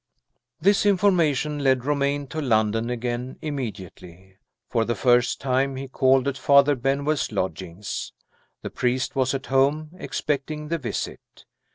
This information led Romayne to London again, immediately. For the first time he called at Father Benwell's lodgings. The priest was at home, expecting the visit.